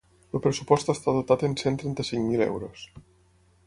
El pressupost està dotat en cent trenta-cinc mil euros.